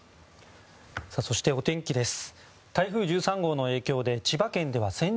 そして、お天気です。